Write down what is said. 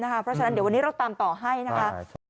เพราะฉะนั้นเดี๋ยววันนี้เราตามต่อให้นะคะ